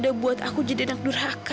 asal kalian tahu ya